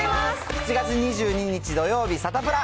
７月２２日土曜日、サタプラ。